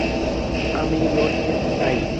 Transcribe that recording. আমি লড়ে যেতে চাই।